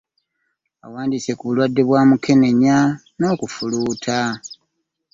Awandiise ku bulwadde bwa mukenenya n’okufuluuta.